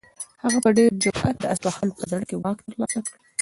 هغه په ډېر جرئت د اصفهان په زړه کې واک ترلاسه کړ.